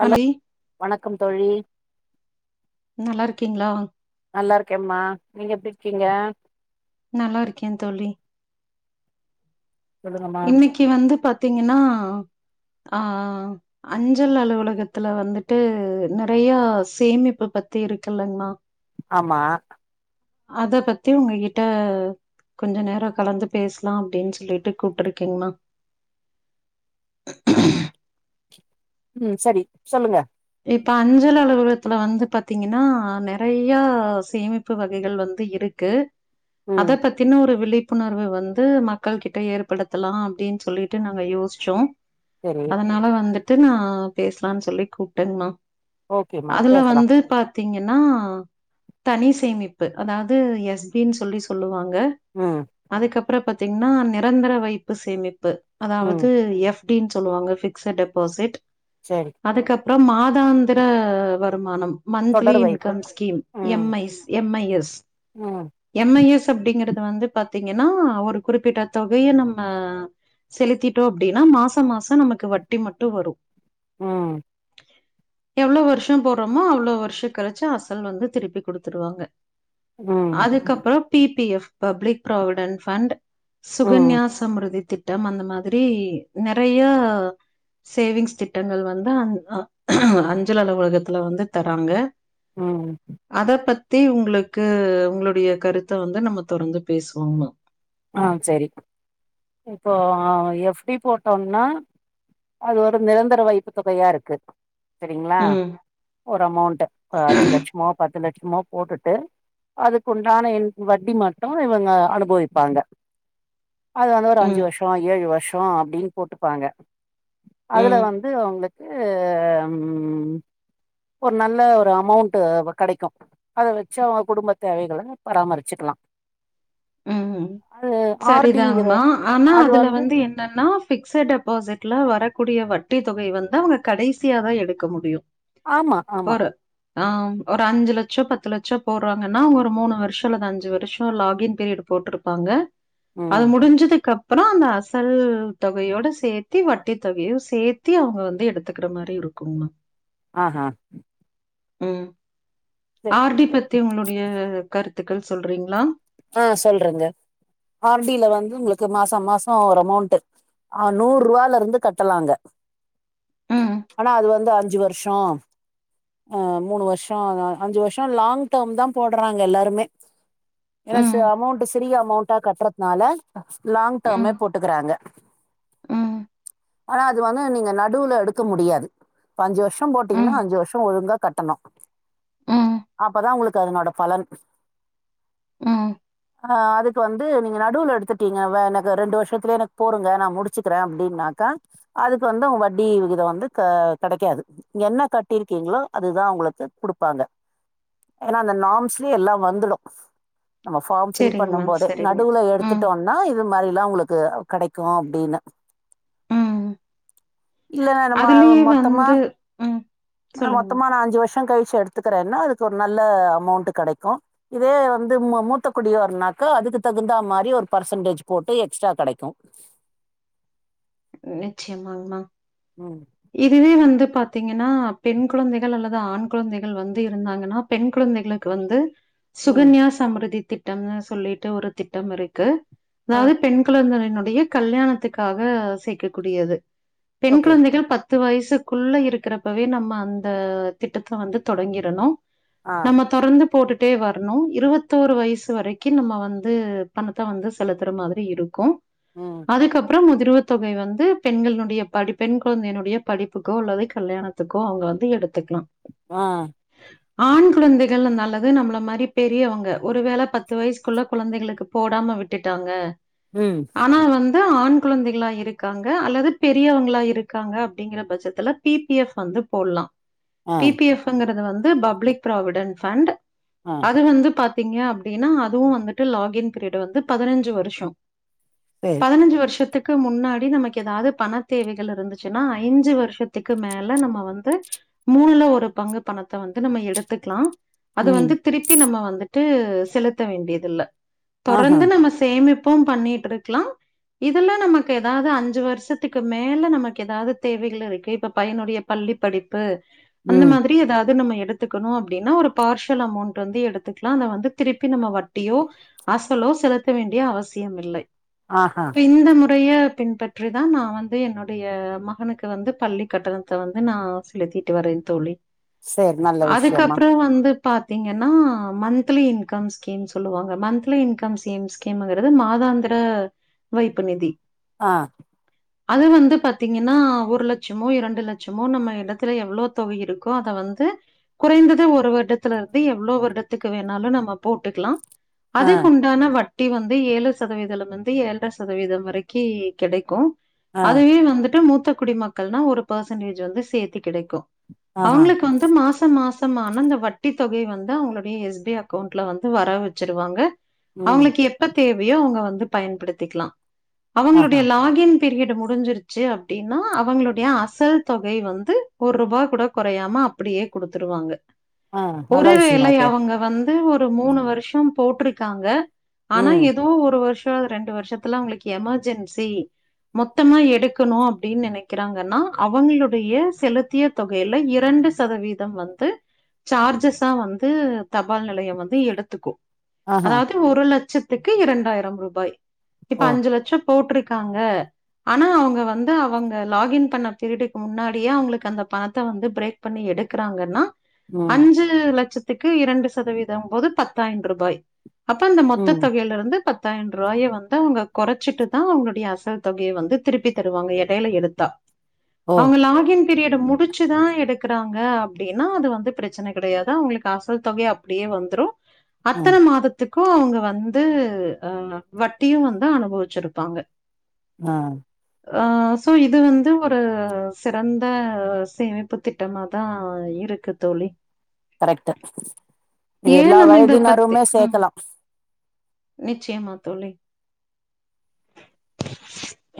Hello மனைவி வணக்கம் தோழி கீங்ளா நல்லாருக்கேமா நீங்க எப்டிருக்கீங்க நல்லாருக்கே தோழி சொல்லுங்கம்மா இன்னைக்கு வந்து பாத்தீங்கனா ஆ அஞ்சல் அலுவலகத்துல வந்துட்டு நறைய சேமிப்பு பத்தி இருக்குல்லங்மா ஆமா அத பத்தி உங்ககிட்ட கொஞ்ச நேரொ கலந்து பேசலா அப்டின் சொல்லிட்டு கூப்டிருக்கீங்கமா ம் சரி சொல்லுங்க இப்ப அஞ்சல் அலுவலத்துல வந்து பாத்தீங்கனா நறையா சேமிப்பு வகைகள் வந்து இருக்கு ம் அத பத்தின ஒரு விழிப்பு ப்புணர்வு வந்து மக்கள் கிட்ட ஏற்படுத்தலா அப்டின்னு சொல்லிட்டு நாங்க யோசிச்சோ சரி அதனால வந்துட் டு நா பேசலானு சொல்லி கூப் டன்மா ஓகேம்மா அதுல பேசலா வந்து பாத் த்தீங்கன்னா தனி சேமிப்பு அதாவது எஸ் பி-ன் சொல்லி சொல்லுவாங் ங்க ம் அதுக்கப் அப்புறம் பாத்தீங்கன்னா நிரந்தர வைப்பு சேமிப்பு ம் அதாவது எஃப் டி-ன் சொல்லுவாங்க பிக்ஸ டெபாசிட் சரி அதுக்கப் மாதாந்திர வருமானம் மந்த்லி தொடர் வைப்பு இன்கம் ஸ்கீம் ம் M I S M I S ம் எம் ஐ எஸ் அப்படிங்கிறது வந்து ப பாத்தீங்கன்னா ஒரு குறிப்பிட்ட தொகைய நம்ம செலுத்திட்டோ அப்டின்னா மாசம் மாசம் நமக்கு வட்டி மட்டு வரும் உம் எவ்வளோ வருஷம் போடுறோமோ அவ்வளவு வருஷம் கழிச்சு அசல் வந்து திருப்பி கொடுத்துருவாங்க ம் அதுக்கப்புறம் P P F public provident fund ம் சுகன்யாசமிருதி தி ட்டம் அந்த மாதிரி நெறைய சேவிங்ஸ் திட்டங்கள் வந்து அ அ அஞ்சலக உலகத்துல வந்து தராங்க ம் த்தி உங்களுக்கு உங்களுடைய கருத்த வந்து நம்ம தொடர்ந்து பேசுவோமா ஆஹ் சரி இப்போ எஃப் டி போட்டோம்னா அது ஒரு நிரந்தர வைப்பு தொகையா இருக்கு சரிங்களா ம் ஒரு அமௌண்ட் அஞ்சு லட்சமோ பத்து லட் மோ போட்டுட்டு அதுக்குண்டான இதுக்கு வட்டி மட்டு இவங்க அனுபவி பாங்க அது வந்து ஒரு அஞ்சு ம் வருஷ ஏழு வருஷ அப்டின்னு போட்டுப்பாங்க அதுல ம் வந்து உங்களுக்கு ம் ஒரு நல்ல ஒரு அமௌண்ட் கெடைக்கு அத வச்சு அவங்க குடும்ப தேவைகள பராமரிச்சிக்கலா ம் சரிதாங்மா ஆனா அதுல வந்து என்னன்னா பிக்ஸட் டெபாசிட் க்ல வரக்கூடிய வட்டித் தொகை வந்த அவங்க கடைசியா தா எடுக்க முடியு ஆமா ஆமா ஆஹ் ஒரு அஞ்சு லட்ச பத்து லட்ச போடுறாங்கன்னா ஒரு மூணு வருஷ அல்லது அஞ்சு வருஷ லாகின் பீரியட் போட்டுருப்பாங்க அது ம் முடிஞ்சதுக்கு அப் பறோ அந்த அசல் தொகையோட சேத்தி வட்டி தொகையு சேத்தி அவுங்க வந்து எடுத்துக்குற மாரி இருக்கும்மா ஆஹ் ஹா உம் ஆர் டி பத்தி உங்களுடைய கருத் த்துக்கள் சொல்றீங்களா ஆஹ் சொல்றங்க ஆர் டி ல வந்து உங்களுக்கு மாசோ மாசோ ஒரு அமௌண்ட் ஆஹ் நூறு ரூவால இருந்து கட்டலாங்க ம். ஆனா அது வந்து அ அஞ்சு வருஷோ ஆஹ் மூணு வருஷோ அஞ்சு வருஷோ லாங் டர்ம் தா போடுறாங்க எல்லாருமே ஏன்னா ச ம். அமௌண்ட் சிரிய அமௌண்ட் சா கட்டுரக்னால லாங் ம். டர்மே போட்டுக்குறாங்க ம். ஆனா அது வந்து நீங்க நடுவுல எடுக்க முடியாது இப்ப அஞ்சு வருஷோ போட்டீங்ன்னா ம். அஞ்சு வருஷோ ஒழுங்கா கட்டணு ம். அப்பதா உங்களுக்கு அதனோட பலன் ம். ஆஹ் அதுக்கு வந்து நீங்க நடுவுல எடுத்துட்டீங்க வ எனக்கு ரெண்டு வருஷத்துலேயே எனக்கு போறுங்க நான் முடிச்சுக்குறே அப்டின்னாக்கா அதுக்கு வந்து அவுங்க வட்டி விகித வந்து கா கெடைக்காது என்ன கட்டிருக்கீங்களோ அதுதா உங்களுக்கு குடுப்பாங்க ஏன்னா அந்த நாம்ஸ்லயே எல்லா வந்துடு நம்ம ஃபார்ம் ஃபில் சரிங்க பண்ணு மேம். போதே சரிங்க. நடுவுல ம். எடுத்துட்டோம்னா இது மாதிரி எல்லா உங்களுக்கு கெடைக்கு அப்டின்னு ம். இல்லனா நம்ம அதுலயே மொத்தமா வந்து ம். நா சொல்லுங்க மேம். மொத்தமா நா அஞ்சு வருஷோ கழுச் சு எடுத்துக்கிறேனா அதுக்கு ஒரு நல்ல அமௌண்ட் கெடைக்கு இதே வந்து ம முத் மூத்த குடியார்னாக்க அதுக்கு தகுந்தா மாரி ஒரு பர்சன்டேஜ் போட்டு எக்ஸ்ட்ரா கெடைக்கு நிச்சயமாங்மா ம் இதுவே வந்து பாத்தீங்கன்னா பெண் குழந்தைகள் அல்லது ஆண் குழந்தைகள் வந்து இருந்தாங்கன்னா பெண் குழந்தைகளுக்கு வந்து ம் சுகன்யா சம்ரிதி திட்டம்னு சொல்லிட்டு ஒரு திட்டம் இருக்கு ஆ அதாவது பெண்கள [unintelligible] டைய கல்யாணத்துக்காக சேக்கக் கூடியது பெண் ஓகே குழந்தைகள் பத் பத்து வயசுக்குள்ளே இருக்கிறப்பவே நம்ம அந்த திட்டத்த வந்து தொடங்கிறணும் ஆ நம்ம தொடர்ந்து போட்டுட் டே வர்ணும் இருவத்தோரு வயசு வரைக்கும் நம்ம வந்து பணத்த வந்து செலுத்துற மாரி இருக்கும் ம் அதுக்கப்பறம் முதிர்வு தொகை வந்து பெண்களுடைய படிப் பெண் குழந்தையினுடைய படிப்புக்கோ அல்லது கல்யாணத்துக்கோ அவுங்க வந்து எடுத்துக்கலாம் ஆஹ் ஆண் குழந்தைகள் அந்தால்லது நம்மள மாரி பெரியவுங்க ஒரு வேள பத்து வயசுக்குள்ள குழந்தைகளுக்கு போடாம விட்டுட்டாங்க உம் து ஆண் குழந்தைகளா இருக்காங்க அல்லது பெரியவுங்களா இருக்காங்க அப்டிங்கிற பட்சத்துல பி பி எஃப் வந்து போட்லாம் ஆ பி பிஎஃப் ங்கிறது வந்து இது பப்ளிக் ப்ராவிடன்ட் ஃபண்ட் ஆ அது வந்து பாத் பாத்தீங்க அப்டினா அதுவும் வந்துட்டு லாகின் பீரியட் வந்து பதினஞ்சு வருஷோ சேரி பதினஞ்சு வருஷத்துக் க்கு முன்னாடி நமக்கு ஏதாவது பணத்தேவைகள் இருந்துச்சுன்னா ஐஞ்சு வருஷத்துக்கு மேல நம்ம வந்து மூணுல ஒரு பங்கு பணத்த வந்து நம்ம எடுத்துக்கலா அது ம் வந்து திருப்பி நம்ம வந்து வந்துட்டு செலுத்த வேண்டியதில்ல ஆஹா தொடர்ந்து நம்ம சேமிப்பு ப்பும் பண்ணிட்ருக்கலா இதுல நமக்கு ஏதாவது அஞ்சு வருஷத்துக்கு மேல நமக்கு எதாவது தேவைகள் இருக்கு இப்ப பையனொடைய பள்ளி படிப்பு அந்த ம் மாதிரி ஏதாவது நம்ம எ எடுத்துக்கணும் அப்டின்னா ஒரு பார்ஷியல் அமௌண்டட் வந்து எடுத்துக்கலாம் அத வந்து திருப்பி நம்ம வட்டியோ அசலோ செலுத்த வேண்டிய அவசியம் இல்லை ஆஹா இப்ப இந்த மு டைய பின்பற்றி தா நான் வந்து என்னுடைய மகனுக்கு க்கு வந்து பள்ளி கட்டணத்த வந்து நா சேலித்திட்டு வரேன் தோழி சேரி நல்ல விஷயம்மா அதுக்கப்பறோ வந்து பாத்தீங்கன்னா மந்த்லி இன்கம் ஸ்கீம் சொல்லுவாங்க மந்த்லி இன்கம்ஸம் ஸ்கீம்ங்கிறது மாதாந்திர வைப்பு நிதி ஆஹ் அது வந்து பாத்தீங்கன்னா ஒரு லட்சமோ இரண்டு லட்சமோ நம்ம இடத்துல எவ்ளோ தொகை இருக்கோ அத வந்து குறைந்தது ஒரு வருடத்துல இருந்து எவ்வளோ வருடத்துக்கு வேணாலும் நம்ம போட்டுக்கலாம் ஆ அதுக்குண்டான வட் ட்டி வந்து ஏழு சதவீதம்லிருந்து ஏழ்ற சதவீதம் வரைக்கும் கெடைக்கோ ஆ அதுவே வந்துட்டு மூத்த குடிமக்கள்னா ஒரு பெர்சன்டேஜ் வந்து சேத்து கெடைக்கும் கோ ஆஹா அவுங்களுக்கு வந்து மாசோ மாசம் மான இந்த வட்டித் தொகை வந்து அவுங்களுடைய எஸ் பி அக்கௌண்டுல வந்து வரவு வெச்சுடுவாங்க ம் அவுங்களுக்கு எப்ப தே இப்பயு அவுங்க வந்து பயன்படுத்திக்கலா ஆஹா அவுங்களுடைய லாகின் பிரியடு முடிஞ்சிருச்சு அப்டின் நா அவுங்களுடைய அசல் தொகை வந்து ஒரு ரூபா கூட கொறையாம அப்டியே குடுத்துருவாங்க ஆ நல்ல ஒருவேலை விஷயமாச்சே அவுங்க வந்து ஒரு ஒரு மூணு வருஷம் போட்ருக்காங்க ஆனா ம் இதுவு ஒரு வருஷ் த அது ரெண்டு வருஷத்துல உங்களுக்கு எமர்ஜென்சி மொத்தமா எடுக்கணும் அப் ப்டீன் நினைக்கிறாங்கன்னா அவங்களுடைய செலுத்திய தொகையில இரண்டு சதவீதம் வந்து சார்ஜஸ்ஸா வந்து தபால் நிலையம் வந்து எடுத்துக்கும் ஆஹா அதாது ஒரு லட்சத் த்துக்கு இரண்டாயிரம் ரூபாய் இப்ப ஓ அஞ்சு லட்சம் போட்டிருக் க்காங்க ஆனா அவங்க வந் க்கு அவுங்க லாகின் பண்ண பீரிடுக்கு முன்னாடியே அவுங்களுக்கு அந்த பணத்த வந்து பிரேக் பண்ணி எடுக்குறாங்கன்னா ம் அஞ்சு லட்சத் துக்கு இரண்டு சதவீதம் போது பத்தாயிண் ரூபாய் அப்ப அந்த மொத்த ம் தொகையிலருந்து பத் தாயின்று ரூபாய வந்து அவ்ங்க கொறச்சிட்டு தான் உங்களுடைய அசல் தொகைய வந்து திருப்பி த டுவாங்க எடையில எடுத்தா ஓ அவங்க லாகின் பீரியட முடிச்சு தான் எடுக்குறாங்க அப்டின்னா அது வந்து பிரச்சன கெடையாது அவங்களுக்கு அசல் தொகைய அப்டியே வந்துடும் அத்தன ம் மாதத்துக் க்கும் அவங்க வந்து அ வட்டியும் வந்து அனுபவிச்சிருப்பாங்க ஆ ஆ சோ இது வந்து ஒரு சிறந்த சேமிப்பு திட்டமாதா இருக்கு தோழி கரெக்ட் இது ஏன் எல்லா நம்ம இத பத்தி வயதினருமே ம் சேக்கலா நிச்சயமா தோழி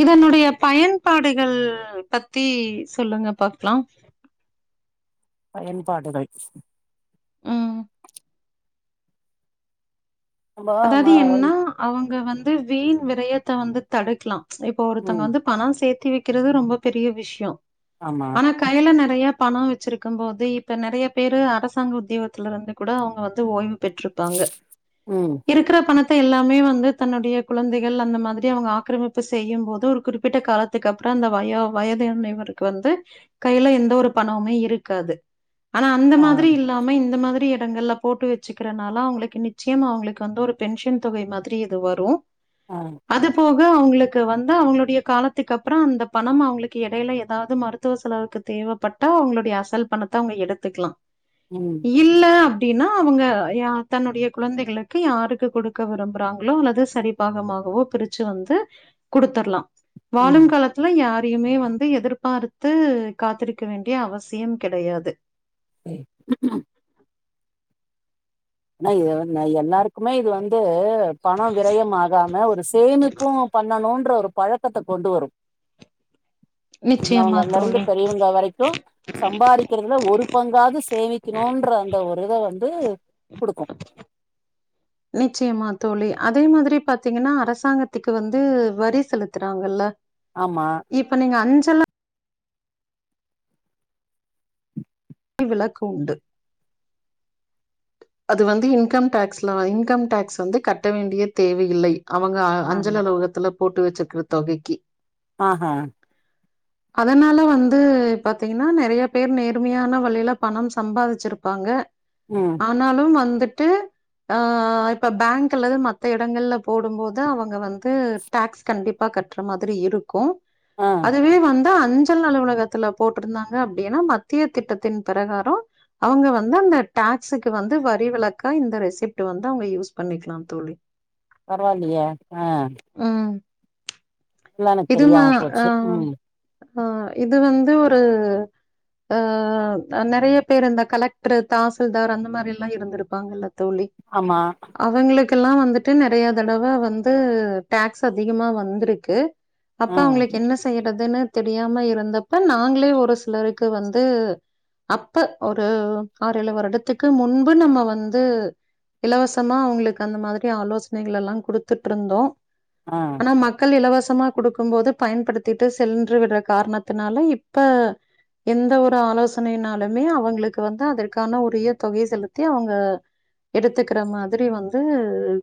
இதனுடைய பயன்பாடுகள் பத்தி சொல்லுங்க பாக்லா பயன்பாடுகள் ம் நம்ப ம அதாவது என்னா அவங்க வந் து வீண் விரயத்த வந்து தடுக்லா இப்போ ஒருத்தங்க ம் வந்து பண சேத் தி வெக்கிறது ரொம்ப பெரிய விஷய ஆமா ஆனா கைல நெறையா பண வெச்சிருக்கும் போது இப்ப நெறையா பேரு அரசாங்க உத்தியோகத்துல இருந்து கூட அவங்க வந்து ஓய்வு பெற்றுப்பாங்க ம் அந்த பணத்தை எல்லாமே வந்து தன்னுடைய குழந்தைகள் அந்த மாதிரி அவங்க ஆக்கிரமிப்பு செய்யும் போது ஒரு குறிப்பிட்ட காலத்துக்கு அப்புற அந்த வய வயதுனைவருக்கு வந்து கைல எந்த ஒரு பணமுமே இருக்காது ஆனா அந்த ஆ மாதிரி இல்லாம இந்த மாதிரி எ டங்கள்ல போட்டு வெச்சுக்கிறனால அவங்களுக்கு நிச்சயம் அவங்களுக் கு வந்து ஒரு பென்ஷன் தொகை மாதிரி இது வரு ஆ அது போ க அவங்களுக்கு வந்து அவங்களுடைய காலத்துக்கு அப்பற அந்த பணம் அவங்களுக்கு எடையில எதாவது மருத்துவ செலவுக்கு தேவப்பட்டா அவங்களுடைய அசல் பணத்த அவங்க எடுத்துக்லா ம் இல்ல அப்டின்னா அவுங்க ஏ அத்த நொடியே கூட குழந்தைங்கள கூட் ஓகே யாருக்கு குடுக்க விரும்பறாங்களோ அல்லது சரிபாகமாகவோ பிரிச்சு வந்து குடுத்தற்லாம் ம் வாழும் காலத்துல யா ரியுமே வந்து எதிர்பார்த்து காத்திருக்க வேண்டிய அவசியம் கெடையாது ஐயோ ந எல்லாருக்குமே இது வந்து பணொ விரயம் ஆகாம ஒரு சேமிப்பு பண்ணணுன்ற பு பழக்கத்த கொண்டு வரு நிச்சயமா சின்னவங்கள்லர்ந்து தோழி. பெரியவங்க வரைக்கு சம்பாதிக்கிறதுல ஒரு [unintelligible] சேமிக்கிணுன்ற அந்த ஒ இத வந்து குடுக்கு நிச்சயமாத் தோழி அதே மாதிரி பாத்தீங்கன்னா அரசாங்கத்துக்கு வந்து வரி செலுத்துறாங்கல்ல ஆமா இப்ப நீங்க அஞ் [unintelligible] விளக்கு உண்டு அது வந்து இன்கம்டேக்ஸ்ல இன்கம்டேக்ஸ் வந்து கட்ட வேண்டிய தேவை இல்லை அவங்க ஆமா அஞ்சல் அலுவலத்துல போட்டு வச்சிற்க்ற தொகைக்கி ஆ ஹா அதனால வந்து பாத்தீங்கன்னா நறையா பேர் நேர்மையான வ ழியில பணம் சம்பாதிச்சிருப்பாங்க ம் ஆனாலும் வந்துட் டு ஆ இப்ப பேங்க் அல்லது மத்த இடங்கள்ல போடும் போது அவுங்க வந்து டேக்ஸ் கண்டிப்பா கட்ற மாதிரி இருக்கு ஆ அதுவே வந் து அஞ்சல் அலுவலகத்துல போட்ருந்தாங்க அப்டினா மத்திய திட்டத் தின் பிரகாரோ அவுங்க வந்து அந்த டேக்ஸுக்கு வந்து வரி விளக்கா இந்த ரெசிப்ட் வந்து அவுங்க யூஸ் பண்ணிக்லா தோழி பரவால்லியே ஆ ம் லா எனக் இது நா தெரியாம ஆ போச்சு ம் ஆ இது வந்து ஒரு ஆ அ நறைய பேர் அந்த கலெக்ட்ரு தாசில்தார் அந்த மாரில்லா இருந்துருப்பாங்கல்ல தோழி ஆமா அவங்குளுக் கெல்லா வந்துட்டு நறையா தடவ வந்து டேக்ஸ் அதிகமா வந்துருக்கு அப்ப ஆ அவ்ங்களுக்கு என்ன செய்றதுனு தெரியாம இருந்தப்ப நாங்களே ஒரு சிலருக்கு வந்து அப்ப ஒரு ஆறு ஏழு வருடத்திற்கு முன்பு நம்ம வந்து இலவசமா அவுங்குளுக்கு அந்த மாத்ரி ஆலோசனைகள் எல்லா குடுத்துட்டுருந்தோ ஆ ஆனா மக்கள் இலவஸ் த்தமா குடுக்கும் போது பயன்படுத்திட்டு சென்று விடுற காரணத்தினால இப்ப எந்த ஒரு ஆலோஸ் சனையினாலுமே அவுங்குளுக்கு வந்து அதற்கான உரிய தொகைய செலுத்தி அவுங்க எடுத்துக்குற மாத்ரி வந்து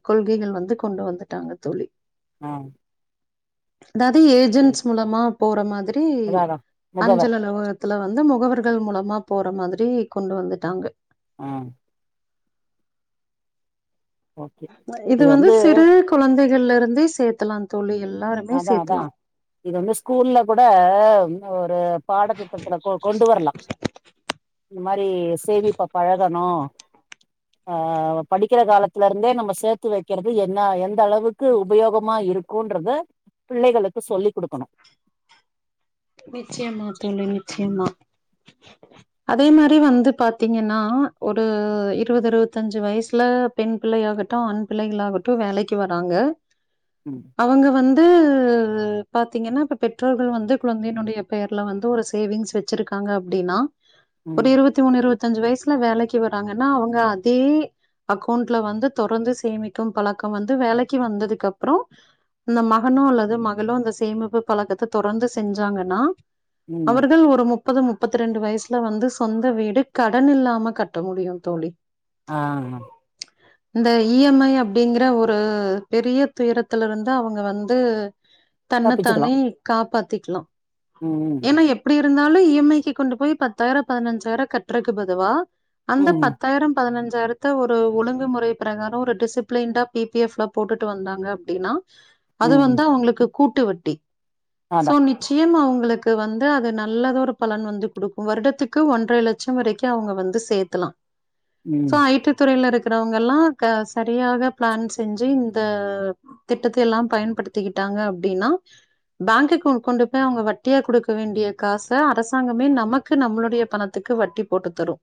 கொள்கைகள் வந்து கொண்டு வந்துட்டாங்க தோழி ஆ அதாவ்து ஏஜென்ட்ஸ் மூலமா போற மாத்ரி அதா அதா முகவர் அஞ்சல் அலுவலகத்துல வந் து முகவருக் கு மூலமா போற மாத்ரி கொண்டு வந்துட்டாங்க ஆ ஓகே இது வந்து சிறு குழந்தை கள்ருந்தே சேக்கலா தோழி எல் அதா அதா இது வந்து ஸ்கூல்ல கூட ஒரு ம் பாடத்திட்டத்துல கொ கொண்டு வரலா இந்த மாரி சேமிப்ப பழகணு ஆ படிக்கிற காலத்துலருந்தே நம்ம சேத்து வெக்குறது என்ன எந்தளவுக்கு உபயோகமா இருக்கூன்றத பிள்ளைகளுக்கு சொல்லிக் குடுக்கணு நிச்சியமா தோழி நிச்சியமா அதே மாரி வந்து பாத்தீங்கனா ஒரு இருவது இருவத்தஞ்சு வயசுல பெண் பிள்ளைையாகட்டூ ஆண் பிள்ளைகளாகட்டூ வேலைக்கு வராங்க ம் அவங்க வந் து பாத்தீங்கனா இப்ப பெற்றோர்கள் வந்து வந்து என்னுடைய பெயர்ல வந்து ஒரு சேவிங்ஸ் வச்சிருக்காங்க அப்டினா ஒரு ம் இருவத்தி மூணு இருவத் தஞ்சு வயசுல வேலைக்கு வறாங்கனா அவுங்க அதே அக்கௌண்ட்ல வந்து தொடர்ந்து சேமிக்கும் பழக்கம் வந்து வேலைக்கு வந்ததுக்கப்றோ இந்த மகனோ அல்லது மகளோ இந்த சேமிப்பு பழக்கத்த தொடர்ந்து செஞ்சாங்கன்னா ம் அவர்கள் ஒரு முப் பது முப்பத்தி ரெண்டு வயசுல வந்து சொந்த வீடு கடன் இல்லாம கட்ட முடியூ தோழி ஆ இந்த இ எம் ஐ அப்டிங்கிற ஒரு பெரிய துயரத்துலருந்து அவுங்க வந்து தப்பிச்சுக்கலா தன்னத்தானே காப்பாத் க்லா ம் இருந்தாலூ இ எம் ஐ கொண்டு போய் பத்தாயிரோ பதனஞ்சாயிரோ கட்டுறக்கு பதுவா ம் அந்த ம் பத்தாயிரோ பதனஞ் சாயிரத்த ஒரு ஒழுங்குமுறை ப்ரகாரோ ஒரு டிசிப்ளன்டா பி பி எஃப் ல போட்டுட்டு வந்தாங்க அப்டின்னா அது ம் வந்து அவங்களுக்குப் கூட்டுவட்டி சோ அதா நிச்சயமா உங்களுக் கு வந்து அது நல்லத ஒரு பலன் வந்து குடுக்கூ வருடத்துக்கு ஒன்றை லட்சே வரைக்கூ அவங்க வந்து சேக்கலா ம் சோ ஐ டி துறையில இருக்க இருவங்கல்லா சரியாக பிளான் செஞ்சு இந்த திட்டத்தை எல்லாம் பயன்படுத்திக்கிட்டாங்க அப்படின்னா பேங்குக்கு கோ கொண்டு போய் அவுங்க வட்டியா கொடுக்க வேண்டிய காசை அரசாங்கமே நமக்கு நம்மளுடைய பணத்துக்கு வட்டி போட்டு தரு